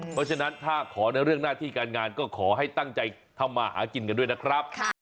เพราะฉะนั้นถ้าขอในเรื่องหน้าที่การงานก็ขอให้ตั้งใจทำมาหากินกันด้วยนะครับ